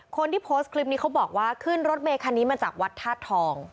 คนที่โพสต์คลิปนี้เขาบอกว่าขึ้นรถเมคันนี้มาจากวัดธาตุทอง